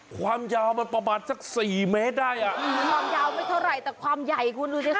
ความยาวไม่เท่าไหร่แต่ความใหญ่คุณรู้สิคะ